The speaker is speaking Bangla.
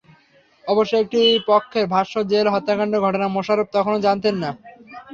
অবশ্য একটি পক্ষের ভাষ্য, জেল হত্যাকাণ্ডের ঘটনা মোশাররফ তখনো জানতেন না।